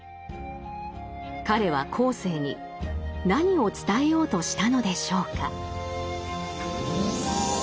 彼は後世に何を伝えようとしたのでしょうか。